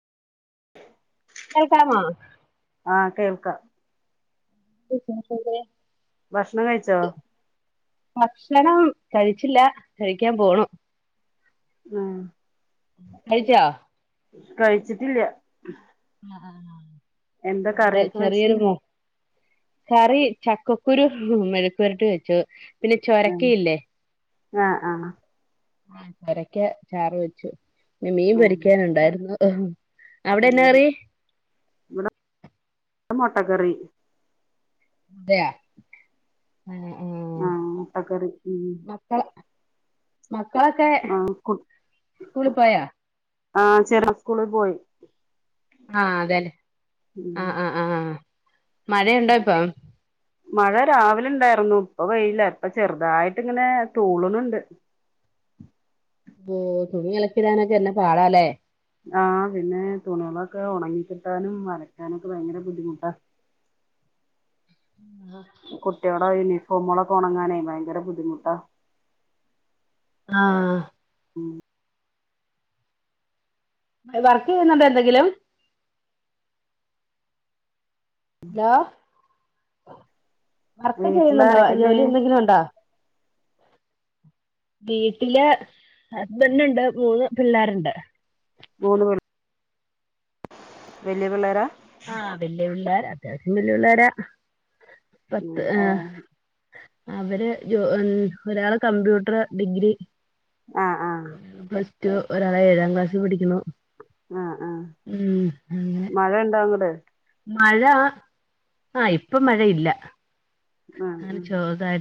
കേൾക്കമ ആഹ് കേൾക്കാം എ ഭക്ഷണം കഴിച്ചോ ഭക്ഷണം കഴിച്ചില്ല കഴിക്കാൻ പോണു ആഹ കഴചാ കഴിച്ചിട്ടില്ല ആഹ് ആഹ് ആഹ് എന്താ ഇവിടെ കറിയൊക്കെ വെച്ച് ചെറിയൊരു മോ കറി ചക്കക്കുരു മെലക്കുരുട്ട് വെച്ചു പിന്നെ ചൊരക്കയില്ലേ ആഹ ആഹ ആഹ ചുരക്ക ചാറ് വെച്ചു പിെ മീൻ ആഹ് പൊരിക്കാന ഉണ്ടായിരുന്നു ആഹ ഉം അവിടെന്നാ കേറി മുട്ടക്കറി അതെയ ആഹ മുട്ടക്കറി ഉം മക്കള് മക്കളൊക്കെ ആഹ് സ്കൂളിൽ പോയ ആഹ ചെറു സ്കൂളിൽ പോയി ആഹ അതല്ലേ ഉം ആഹ ആഹ് ആഹ് മഴയുണ്ടോ ഇപ്പൊ മഴ രാവിലെ ഉണ്ടായിരുന്നു ഇപ്പൊ വെയയില്ല ഇപ്പ ചെറുതായിട്ട് ഇങ്ങനെ തൂളുന്നുണ്ട് ഓ തുണി അലക്കിടാനൊക്കെ എന്നെ പാടാലേ ആഹ പിന്നെ തുണികളൊക്കെ ഉണങ്ങിക്കിട്ടാനും വരയ്ക്കാനൊക്കെ ഭയങ്കര ബുദ്ധിമുട്ടാ കുട്ടിയോട ആയിന പ മുുളക്ക ഉണങ്ങാനേ ഭയങ്കര ബുദ്ധിമുട്ടാ ആഹ ഉം വർക്ക് ചെയ്യുന്നുണ്ടോ എന്തെങ്കിലും ഹലോ [inaudible] വർക്ക് വീട്ടില് ചെയ്യുന്നുണ്ടോ ആരൊക്കെണ്ട് ജോലി എന്തെങ്കിലും ഉണ്ടോ വീട്ടില് ഹസ്ബെന്റ് ഉണ്ട് മൂന്ന് പിള്ളാരുണ്ട് മൂന്ന് വലിയ പിള്ളേരാ ആഹ് വലിയ പിള്ളേരാ അത്യാവശ്യം വല്ല്യ പിള്ളാരാ ഉം ആഹ് അവര് ഒരാള് കമ്പ്യൂട്ടർ ഡിഗ്രി ആഹ് ആഹ് പ്ലസ് മറ്റ് ഒരാള് ഏഴാം ക്ലാസ്സിൽ പഠിക്കുന്നു ആഹ് ആഹ് ഉം അങ്ങനെ മഴ ഉണ്ടാ അങ്ങട് മഴ ആഹ് ഇപ്പൊ മഴയില്ല ആഹ് ആഹ് [unintelligible]